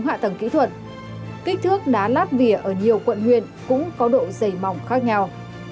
hạ tầng kỹ thuật kích thước đá lát vỉa ở nhiều quận huyện cũng có độ dày mỏng khác nhau